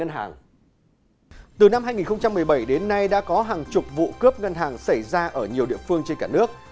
từ năm hai nghìn một mươi bảy đến nay đã có hàng chục vụ cướp ngân hàng xảy ra ở nhiều địa phương trên cả nước